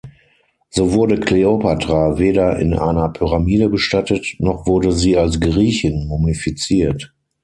So wurde Cleopatra weder in einer Pyramide bestattet, noch wurde sie als Griechin mumifiziert.